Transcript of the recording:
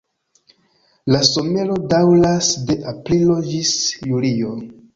La somero daŭras de aprilo ĝis julio.